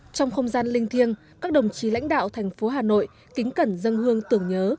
trong không gian linh thiêng các đồng chí lãnh đạo thành phố hà nội kính cẩn dân hương tưởng nhớ